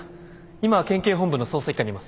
今は県警本部の捜査一課にいます。